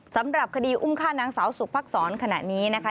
สำหรับคดีอุ้มฆ่านางสาวสุภักษรขณะนี้นะคะ